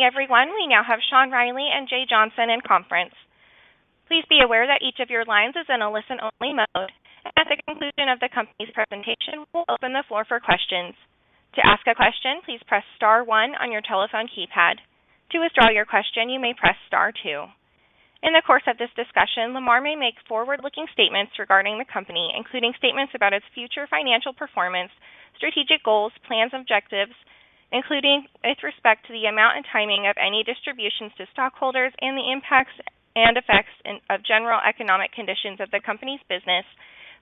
Excuse me, everyone. We now have Sean Reilly and Jay Johnson in conference. Please be aware that each of your lines is in a listen-only mode, and at the conclusion of the company's presentation, we will open the floor for questions. To ask a question, please press star 1 on your telephone keypad. To withdraw your question, you may press star 2. In the course of this discussion, Lamar may make forward-looking statements regarding the company, including statements about its future financial performance, strategic goals, plans, objectives, including with respect to the amount and timing of any distributions to stockholders, and the impacts and effects of general economic conditions of the company's business,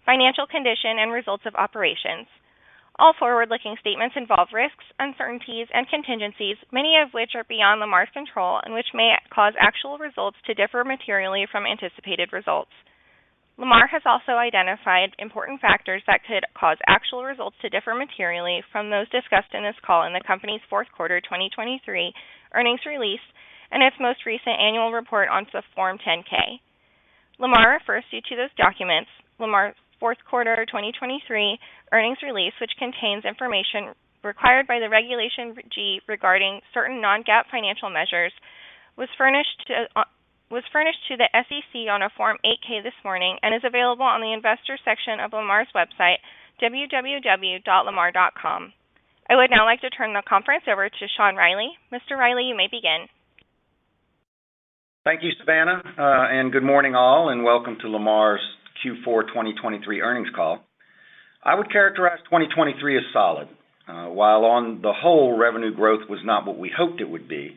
financial condition, and results of operations. All forward-looking statements involve risks, uncertainties, and contingencies, many of which are beyond Lamar's control and which may cause actual results to differ materially from anticipated results. Lamar has also identified important factors that could cause actual results to differ materially from those discussed in this call in the company's fourth quarter 2023 earnings release and its most recent annual report on the Form 10-K. Lamar refers you to those documents. Lamar's fourth quarter 2023 earnings release, which contains information required by the Regulation G regarding certain non-GAAP financial measures, was furnished to the SEC on a Form 8-K this morning and is available on the investor section of Lamar's website, www.lamar.com. I would now like to turn the conference over to Sean Reilly. Mr. Reilly, you may begin. Thank you, Savannah, and good morning all, and welcome to Lamar's Q4 2023 earnings call. I would characterize 2023 as solid. While on the whole, revenue growth was not what we hoped it would be,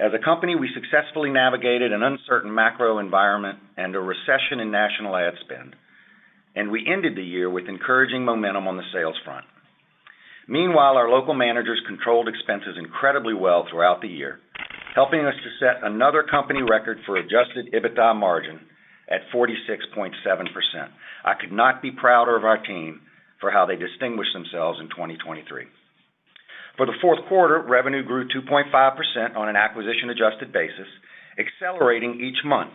as a company, we successfully navigated an uncertain macro environment and a recession in national ad spend, and we ended the year with encouraging momentum on the sales front. Meanwhile, our local managers controlled expenses incredibly well throughout the year, helping us to set another company record for adjusted EBITDA margin at 46.7%. I could not be prouder of our team for how they distinguished themselves in 2023. For the fourth quarter, revenue grew 2.5% on an acquisition-adjusted basis, accelerating each month,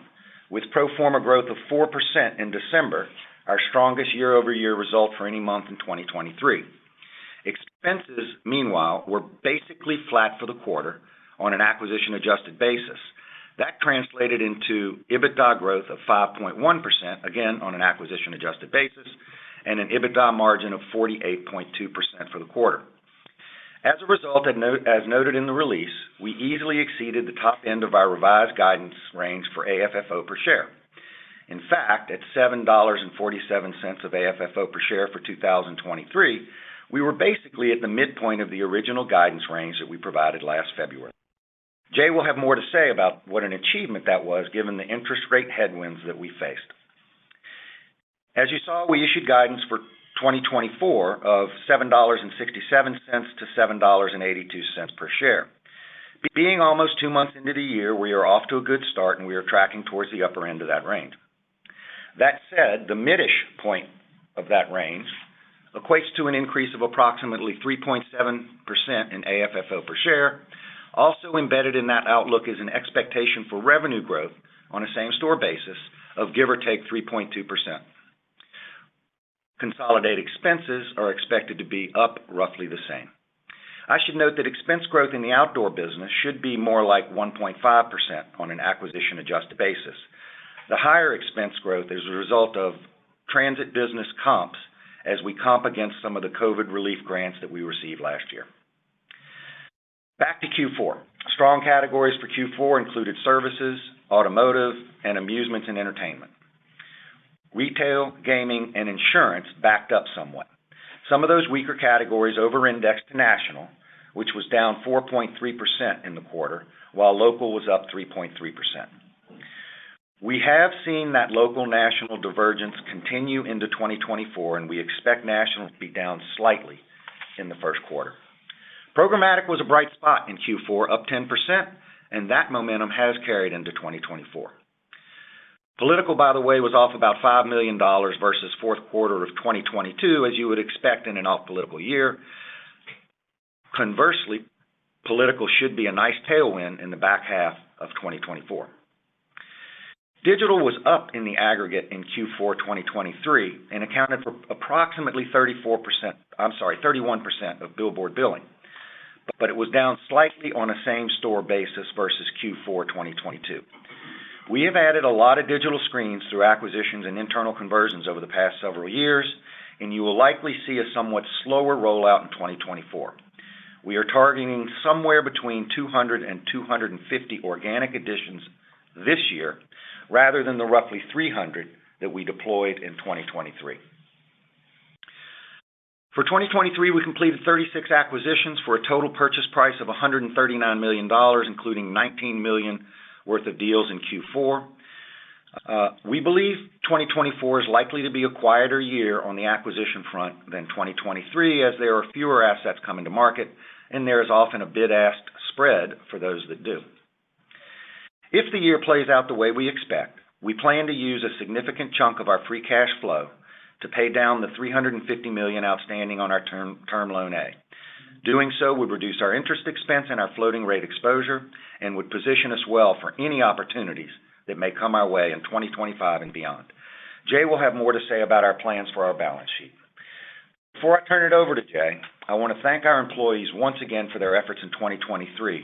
with pro forma growth of 4% in December, our strongest year-over-year result for any month in 2023. Expenses, meanwhile, were basically flat for the quarter on an acquisition-adjusted basis. That translated into EBITDA growth of 5.1%, again on an acquisition-adjusted basis, and an EBITDA margin of 48.2% for the quarter. As a result, as noted in the release, we easily exceeded the top end of our revised guidance range for AFFO per share. In fact, at $7.47 of AFFO per share for 2023, we were basically at the midpoint of the original guidance range that we provided last February. Jay will have more to say about what an achievement that was, given the interest rate headwinds that we faced. As you saw, we issued guidance for 2024 of $7.67-$7.82 per share. Being almost two months into the year, we are off to a good start, and we are tracking towards the upper end of that range. That said, the middle point of that range equates to an increase of approximately 3.7% in AFFO per share. Also embedded in that outlook is an expectation for revenue growth on a same-store basis of give or take 3.2%. Consolidated expenses are expected to be up roughly the same. I should note that expense growth in the outdoor business should be more like 1.5% on an acquisition-adjusted basis. The higher expense growth is a result of transit business comps as we comp against some of the COVID relief grants that we received last year. Back to Q4. Strong categories for Q4 included services, automotive, and amusements and entertainment. Retail, gaming, and insurance backed up somewhat. Some of those weaker categories over-indexed to national, which was down 4.3% in the quarter, while local was up 3.3%. We have seen that local-national divergence continue into 2024, and we expect national to be down slightly in the first quarter. Programmatic was a bright spot in Q4, up 10%, and that momentum has carried into 2024. Political, by the way, was off about $5 million versus fourth quarter of 2022, as you would expect in an off-political year. Conversely, political should be a nice tailwind in the back half of 2024. Digital was up in the aggregate in Q4 2023 and accounted for approximately 34%. I'm sorry, 31% of billboard billing, but it was down slightly on a same-store basis versus Q4 2022. We have added a lot of digital screens through acquisitions and internal conversions over the past several years, and you will likely see a somewhat slower rollout in 2024. We are targeting somewhere between 200 and 250 organic additions this year rather than the roughly 300 that we deployed in 2023. For 2023, we completed 36 acquisitions for a total purchase price of $139 million, including $19 million worth of deals in Q4. We believe 2024 is likely to be a quieter year on the acquisition front than 2023, as there are fewer assets coming to market, and there is often a bid-asked spread for those that do. If the year plays out the way we expect, we plan to use a significant chunk of our Free Cash Flow to pay down the $350 million outstanding on our Term Loan A. Doing so would reduce our interest expense and our floating rate exposure and would position us well for any opportunities that may come our way in 2025 and beyond. Jay will have more to say about our plans for our balance sheet. Before I turn it over to Jay, I want to thank our employees once again for their efforts in 2023,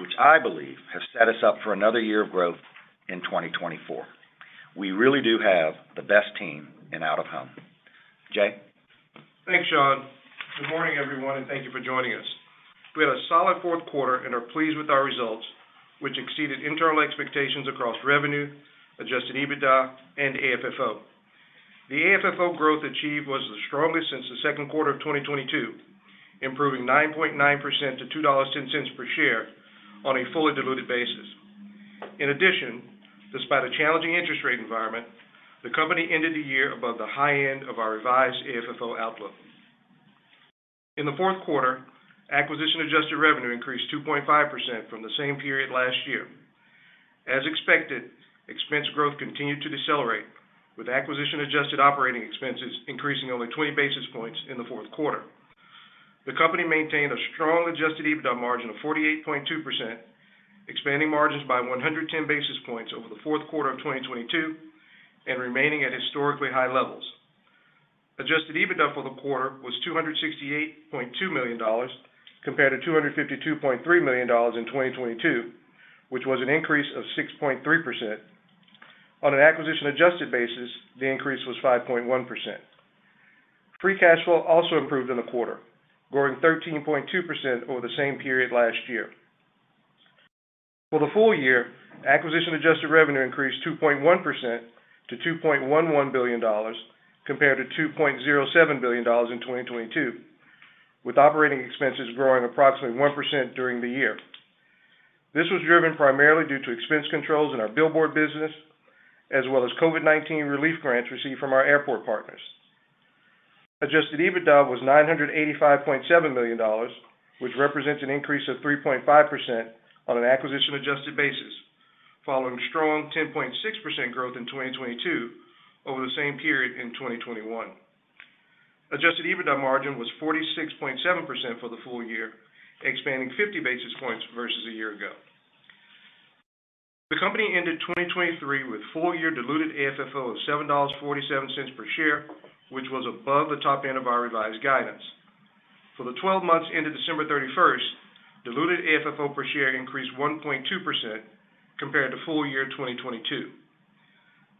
which I believe have set us up for another year of growth in 2024. We really do have the best team in out-of-home. Jay. Thanks, Sean. Good morning, everyone, and thank you for joining us. We had a solid fourth quarter and are pleased with our results, which exceeded internal expectations across revenue, Adjusted EBITDA, and AFFO. The AFFO growth achieved was the strongest since the second quarter of 2022, improving 9.9% to $2.10 per share on a fully diluted basis. In addition, despite a challenging interest rate environment, the company ended the year above the high end of our revised AFFO outlook. In the fourth quarter, Acquisition-Adjusted revenue increased 2.5% from the same period last year. As expected, expense growth continued to decelerate, with Acquisition-Adjusted operating expenses increasing only 20 basis points in the fourth quarter. The company maintained a strong Adjusted EBITDA margin of 48.2%, expanding margins by 110 basis points over the fourth quarter of 2022 and remaining at historically high levels. Adjusted EBITDA for the quarter was $268.2 million compared to $252.3 million in 2022, which was an increase of 6.3%. On an acquisition-adjusted basis, the increase was 5.1%. Free cash flow also improved in the quarter, growing 13.2% over the same period last year. For the full year, acquisition-adjusted revenue increased 2.1% to $2.11 billion compared to $2.07 billion in 2022, with operating expenses growing approximately 1% during the year. This was driven primarily due to expense controls in our billboard business as well as COVID-19 relief grants received from our airport partners. Adjusted EBITDA was $985.7 million, which represents an increase of 3.5% on an acquisition-adjusted basis, following strong 10.6% growth in 2022 over the same period in 2021. Adjusted EBITDA margin was 46.7% for the full year, expanding 50 basis points versus a year ago. The company ended 2023 with full-year diluted AFFO of $7.47 per share, which was above the top end of our revised guidance. For the 12 months ended December 31st, diluted AFFO per share increased 1.2% compared to full year 2022.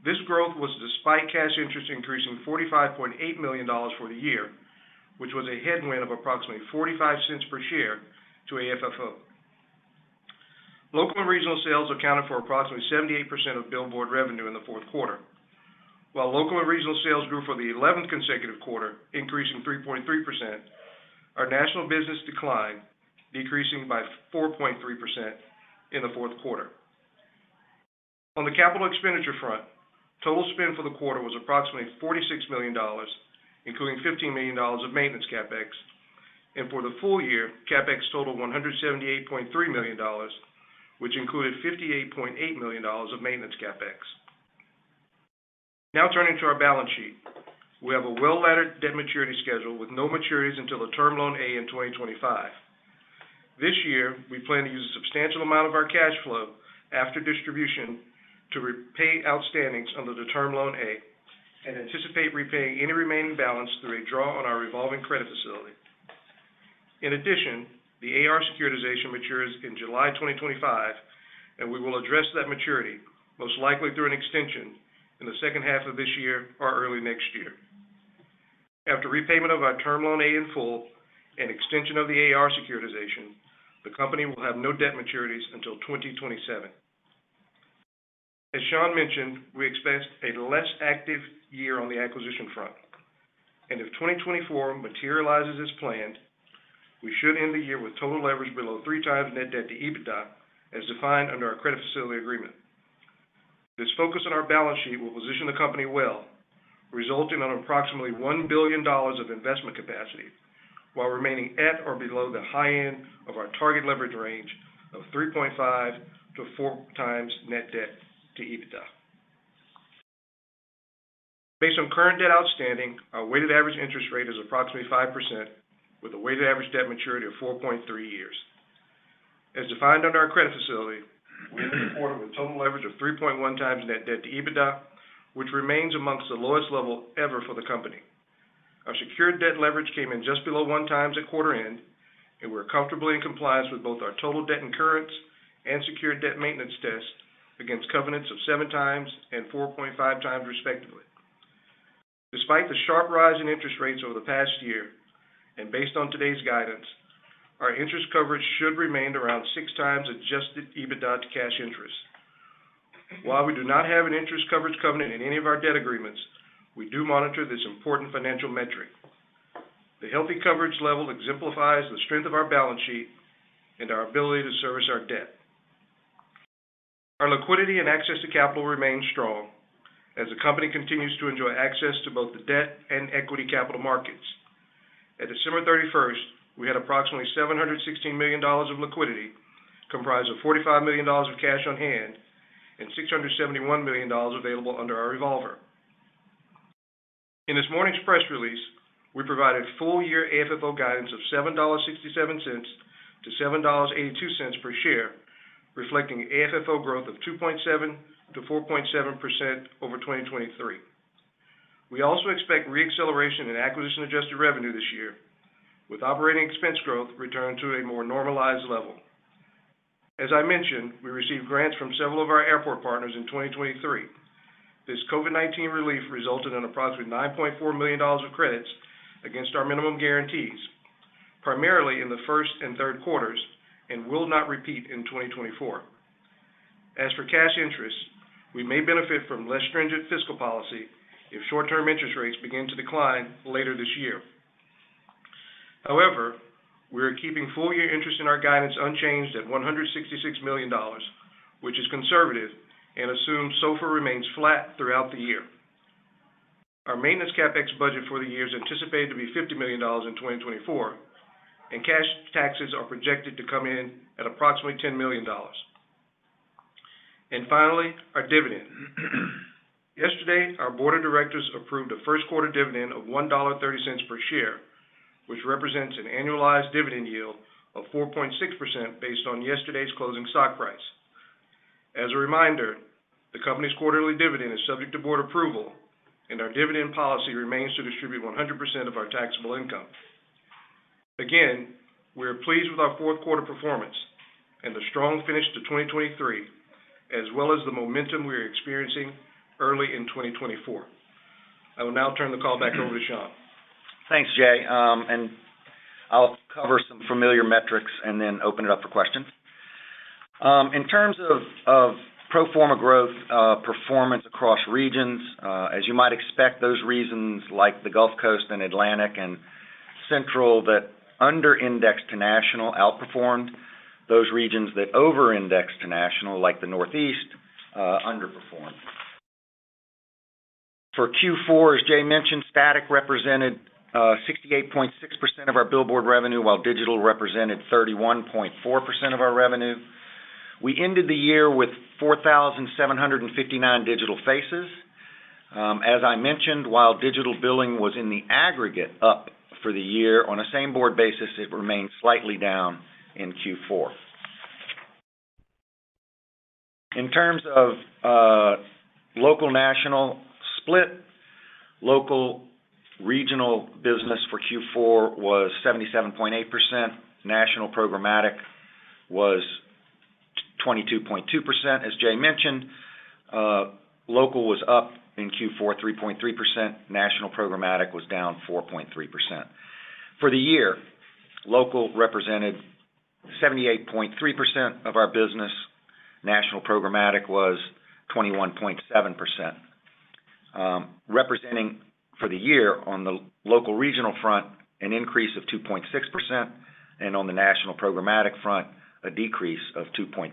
This growth was despite cash interest increasing $45.8 million for the year, which was a headwind of approximately $0.45 per share to AFFO. Local and regional sales accounted for approximately 78% of billboard revenue in the fourth quarter. While local and regional sales grew for the 11th consecutive quarter, increasing 3.3%, our national business declined, decreasing by 4.3% in the fourth quarter. On the capital expenditure front, total spend for the quarter was approximately $46 million, including $15 million of maintenance CapEx, and for the full year, CapEx totaled $178.3 million, which included $58.8 million of maintenance CapEx. Now turning to our balance sheet, we have a well-laddered debt maturity schedule with no maturities until the Term Loan A in 2025. This year, we plan to use a substantial amount of our cash flow after distribution to repay outstandings under the Term Loan A and anticipate repaying any remaining balance through a draw on our revolving credit facility. In addition, the AR Securitization matures in July 2025, and we will address that maturity most likely through an extension in the second half of this year or early next year. After repayment of our Term Loan A in full and extension of the AR Securitization, the company will have no debt maturities until 2027. As Sean mentioned, we expect a less active year on the acquisition front, and if 2024 materializes as planned, we should end the year with total leverage below 3 times net debt to EBITDA as defined under our credit facility agreement. This focus on our balance sheet will position the company well, resulting in approximately $1 billion of investment capacity while remaining at or below the high end of our target leverage range of 3.5-4 times net debt to EBITDA. Based on current debt outstanding, our weighted average interest rate is approximately 5%, with a weighted average debt maturity of 4.3 years. As defined under our credit facility, we ended the quarter with total leverage of 3.1 times net debt to EBITDA, which remains among the lowest level ever for the company. Our secured debt leverage came in just below 1x at quarter end, and we are comfortably in compliance with both our total debt incurrence and secured debt maintenance test against covenants of 7x and 4.5x, respectively. Despite the sharp rise in interest rates over the past year and based on today's guidance, our interest coverage should remain around 6x Adjusted EBITDA to cash interest. While we do not have an interest coverage covenant in any of our debt agreements, we do monitor this important financial metric. The healthy coverage level exemplifies the strength of our balance sheet and our ability to service our debt. Our liquidity and access to capital remain strong as the company continues to enjoy access to both the debt and equity capital markets. At December 31st, we had approximately $716 million of liquidity comprised of $45 million of cash on hand and $671 million available under our revolver. In this morning's press release, we provided full-year AFFO guidance of $7.67-$7.82 per share, reflecting AFFO growth of 2.7%-4.7% over 2023. We also expect reacceleration in acquisition-adjusted revenue this year, with operating expense growth returning to a more normalized level. As I mentioned, we received grants from several of our airport partners in 2023. This COVID-19 relief resulted in approximately $9.4 million of credits against our minimum guarantees, primarily in the first and third quarters, and will not repeat in 2024. As for cash interest, we may benefit from less stringent fiscal policy if short-term interest rates begin to decline later this year. However, we are keeping full-year interest in our guidance unchanged at $166 million, which is conservative and assumes SOFR remains flat throughout the year. Our maintenance CapEx budget for the year is anticipated to be $50 million in 2024, and cash taxes are projected to come in at approximately $10 million. And finally, our dividend. Yesterday, our board of directors approved a first-quarter dividend of $1.30 per share, which represents an annualized dividend yield of 4.6% based on yesterday's closing stock price. As a reminder, the company's quarterly dividend is subject to board approval, and our dividend policy remains to distribute 100% of our taxable income. Again, we are pleased with our fourth quarter performance and the strong finish to 2023, as well as the momentum we are experiencing early in 2024. I will now turn the call back over to Sean. Thanks, Jay. I'll cover some familiar metrics and then open it up for questions. In terms of pro forma growth performance across regions, as you might expect, those regions like the Gulf Coast and Atlantic and Central that under-indexed to national outperformed. Those regions that over-indexed to national, like the Northeast, underperformed. For Q4, as Jay mentioned, static represented 68.6% of our billboard revenue, while digital represented 31.4% of our revenue. We ended the year with 4,759 digital faces. As I mentioned, while digital billing was in the aggregate up for the year on a same-board basis, it remained slightly down in Q4. In terms of local-national split, local regional business for Q4 was 77.8%, national programmatic was 22.2%. As Jay mentioned, local was up in Q4 3.3%, national programmatic was down 4.3%. For the year, local represented 78.3% of our business, national programmatic was 21.7%, representing for the year on the local regional front an increase of 2.6% and on the national programmatic front a decrease of 2.2%.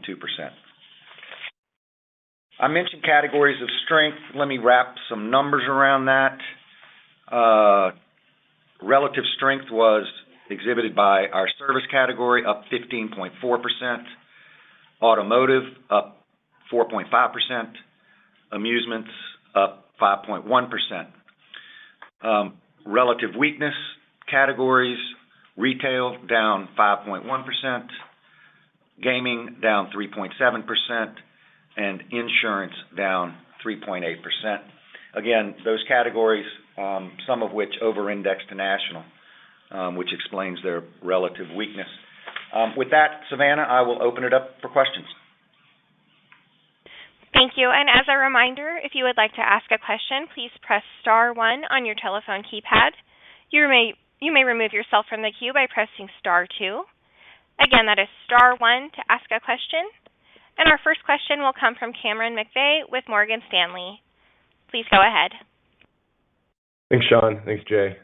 I mentioned categories of strength. Let me wrap some numbers around that. Relative strength was exhibited by our service category up 15.4%, automotive up 4.5%, amusements up 5.1%. Relative weakness categories, retail down 5.1%, gaming down 3.7%, and insurance down 3.8%. Again, those categories, some of which over-indexed to national, which explains their relative weakness. With that, Savannah, I will open it up for questions. Thank you. As a reminder, if you would like to ask a question, please press star one on your telephone keypad. You may remove yourself from the queue by pressing star two. Again, that is star one to ask a question. Our first question will come from Cameron McVeigh with Morgan Stanley. Please go ahead. Thanks, Sean. Thanks, Jay.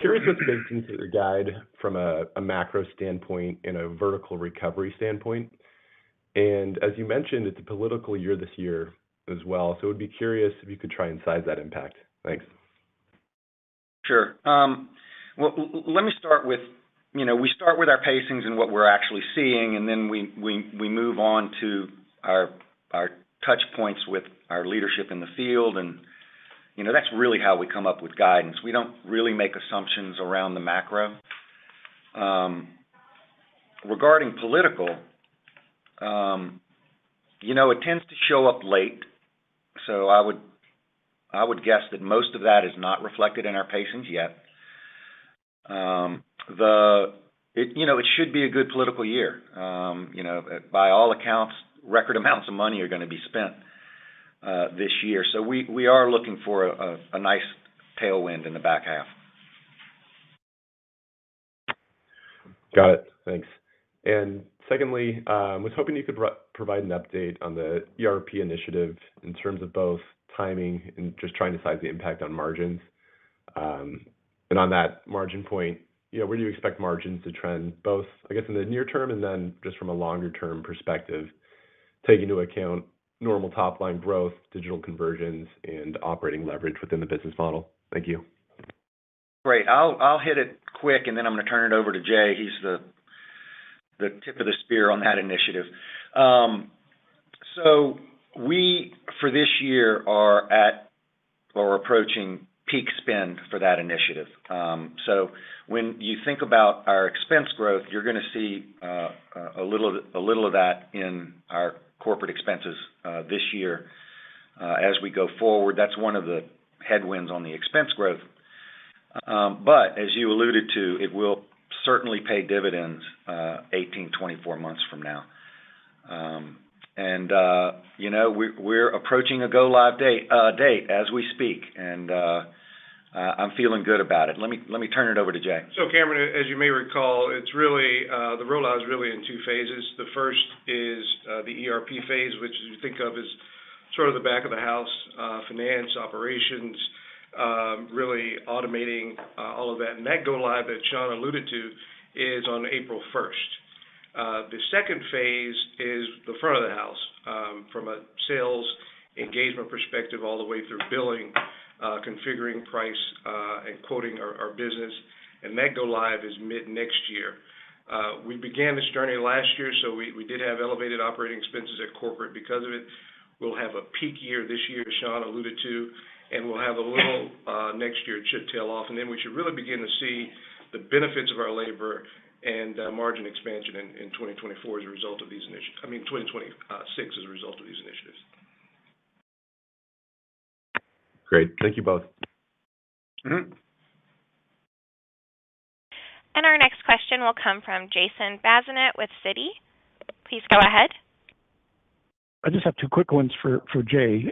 Curious what's baked into your guide from a macro standpoint and a vertical recovery standpoint. As you mentioned, it's a political year this year as well, so I would be curious if you could try and size that impact. Thanks. Sure. Let me start with we start with our pacings and what we're actually seeing, and then we move on to our touchpoints with our leadership in the field. That's really how we come up with guidance. We don't really make assumptions around the macro. Regarding political, it tends to show up late, so I would guess that most of that is not reflected in our pacings yet. It should be a good political year. By all accounts, record amounts of money are going to be spent this year. We are looking for a nice tailwind in the back half. Got it. Thanks. Secondly, I was hoping you could provide an update on the ERP initiative in terms of both timing and just trying to size the impact on margins. On that margin point, where do you expect margins to trend, both, I guess, in the near term and then just from a longer-term perspective, taking into account normal top-line growth, digital conversions, and operating leverage within the business model? Thank you. Great. I'll hit it quick, and then I'm going to turn it over to Jay. He's the tip of the spear on that initiative. So we, for this year, are at or approaching peak spend for that initiative. So when you think about our expense growth, you're going to see a little of that in our corporate expenses this year as we go forward. That's one of the headwinds on the expense growth. But as you alluded to, it will certainly pay dividends 18, 24 months from now. And we're approaching a go-live date as we speak, and I'm feeling good about it. Let me turn it over to Jay. So, Cameron, as you may recall, the rollout is really in two phases. The first is the ERP phase, which you think of as sort of the back of the house: finance, operations, really automating all of that. And that go-live that Sean alluded to is on April 1st. The second phase is the front of the house from a sales engagement perspective all the way through billing, configuring price, and quoting our business. And that go-live is mid-next year. We began this journey last year, so we did have elevated operating expenses at corporate because of it. We'll have a peak year this year, Sean alluded to, and we'll have a little next year, it should tail off. And then we should really begin to see the benefits of our labor and margin expansion in 2024, I mean, 2026, as a result of these initiatives. Great. Thank you both. Our next question will come from Jason Bazinet with Citi. Please go ahead. I just have two quick ones for Jay.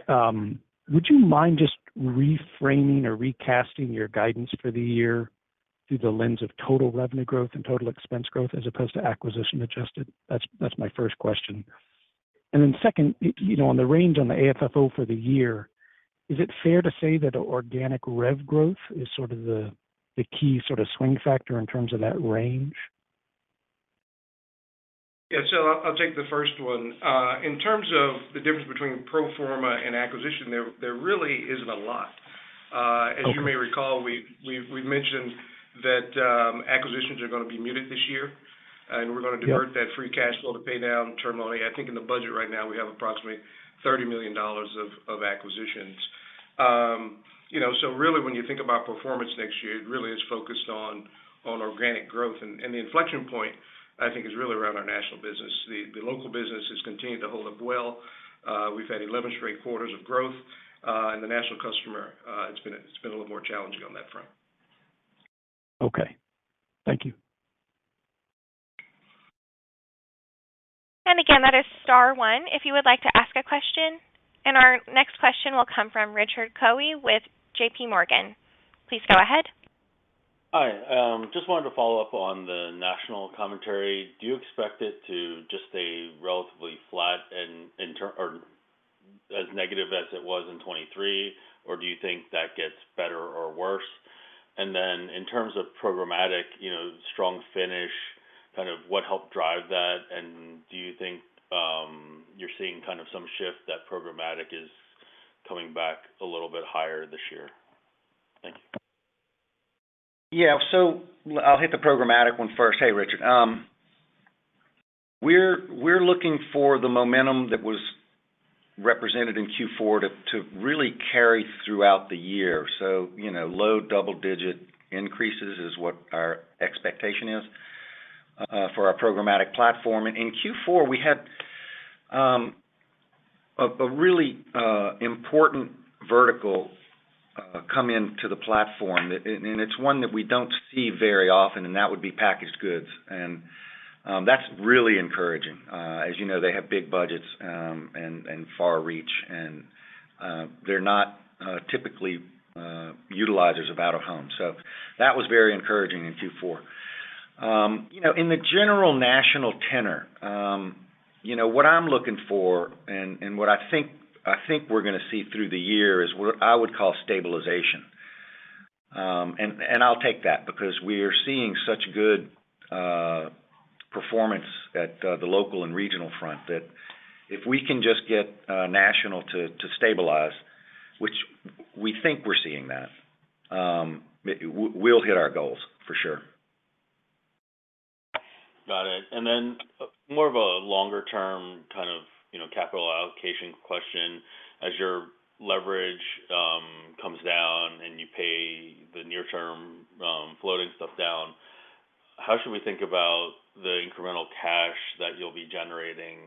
Would you mind just reframing or recasting your guidance for the year through the lens of total revenue growth and total expense growth as opposed to Acquisition-Adjusted? That's my first question. And then second, on the range on the AFFO for the year, is it fair to say that organic rev growth is sort of the key sort of swing factor in terms of that range? Yeah. So I'll take the first one. In terms of the difference between pro forma and acquisition, there really isn't a lot. As you may recall, we've mentioned that acquisitions are going to be muted this year, and we're going to divert that free cash flow to pay down term loan. I think in the budget right now, we have approximately $30 million of acquisitions. So really, when you think about performance next year, it really is focused on organic growth. And the inflection point, I think, is really around our national business. The local business has continued to hold up well. We've had 11 straight quarters of growth, and the national customer, it's been a little more challenging on that front. Okay. Thank you. And again, that is star one if you would like to ask a question. And our next question will come from Richard Choe with J.P. Morgan. Please go ahead. Hi. Just wanted to follow up on the national commentary. Do you expect it to just stay relatively flat or as negative as it was in 2023, or do you think that gets better or worse? And then in terms of programmatic, strong finish, kind of what helped drive that? And do you think you're seeing kind of some shift that programmatic is coming back a little bit higher this year? Thank you. Yeah. So I'll hit the programmatic one first. Hey, Richard. We're looking for the momentum that was represented in Q4 to really carry throughout the year. So low double-digit increases is what our expectation is for our programmatic platform. And in Q4, we had a really important vertical come into the platform, and it's one that we don't see very often, and that would be packaged goods. And that's really encouraging. As you know, they have big budgets and far reach, and they're not typically utilizers of out-of-home. So that was very encouraging in Q4. In the general national tenor, what I'm looking for and what I think we're going to see through the year is what I would call stabilization. I'll take that because we are seeing such good performance at the local and regional front that if we can just get national to stabilize, which we think we're seeing that, we'll hit our goals for sure. Got it. And then more of a longer-term kind of capital allocation question. As your leverage comes down and you pay the near-term floating stuff down, how should we think about the incremental cash that you'll be generating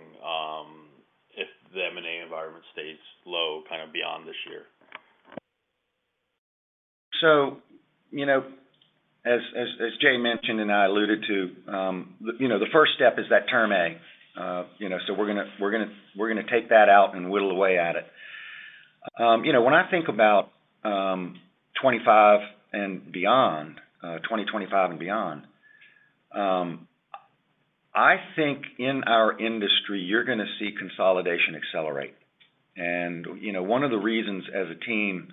if the M&A environment stays low kind of beyond this year? So as Jay mentioned and I alluded to, the first step is that Term A. So we're going to take that out and whittle away at it. When I think about '25 and beyond, 2025 and beyond, I think in our industry, you're going to see consolidation accelerate. And one of the reasons as a team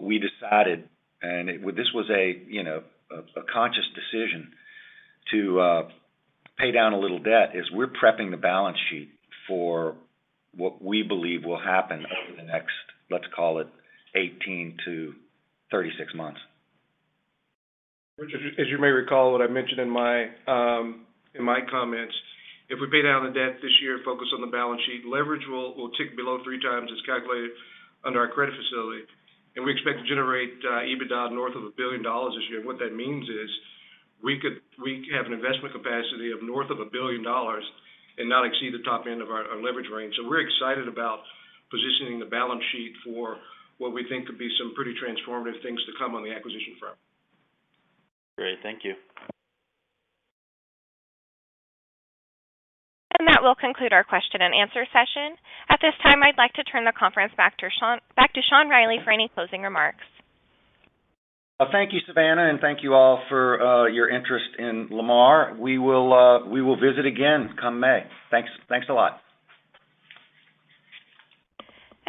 we decided, and this was a conscious decision to pay down a little debt, is we're prepping the balance sheet for what we believe will happen over the next, let's call it, 18-36 months. Richard, as you may recall, what I mentioned in my comments, if we pay down the debt this year and focus on the balance sheet, leverage will tick below 3x as calculated under our credit facility. We expect to generate EBITDA north of $1 billion this year. What that means is we have an investment capacity of north of $1 billion and not exceed the top end of our leverage range. We're excited about positioning the balance sheet for what we think could be some pretty transformative things to come on the acquisition front. Great. Thank you. That will conclude our question-and-answer session. At this time, I'd like to turn the conference back to Sean Reilly for any closing remarks. Thank you, Savannah, and thank you all for your interest in Lamar. We will visit again come May. Thanks a lot.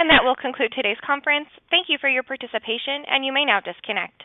That will conclude today's conference. Thank you for your participation, and you may now disconnect.